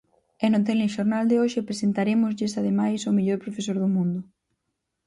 E no telexornal de hoxe presentarémoslles ademais o mellor profesor do mundo.